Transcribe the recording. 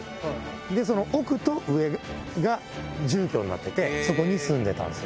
で、その奥と上が住居になってて、そこに住んでたんですよ。